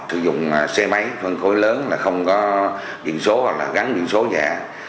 thực dụng xe máy phân khối lớn là không có biện số hoặc là gắn biện số dạ